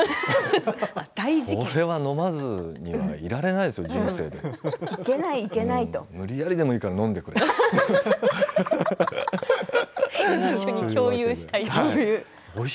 なんということだと僕は飲まずにいられないぞ人生で無理やりでもいいから飲んでくれと。